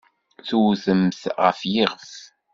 Tewtem-t ɣer yiɣef.